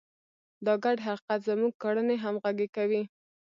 دا ګډ حقیقت زموږ کړنې همغږې کوي.